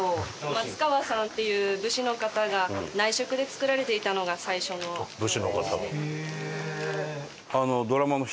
松川さんっていう武士の方が内職で作られていたのが最初のものでして。